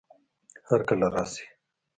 هر کله راشئ